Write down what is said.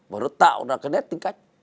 và nó tạo ra cái nét tính cách